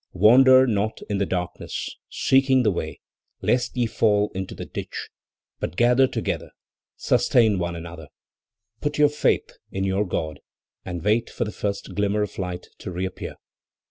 "Wander not in the darkness, seeking the way, lest ye fall into the ditch; but gather together, sustain one another, put your faith in your God and wait for the first glimmer of light to reappear.